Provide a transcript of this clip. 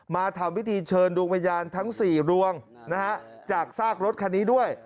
มาทำพิธีเชิญดวงวิญญาณทั้ง๔ดวงจากซากรถคันนี้ด้วย